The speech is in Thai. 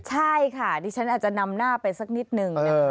ใช่ค่ะดิฉันอาจจะนำหน้าไปสักนิดนึงนะคะ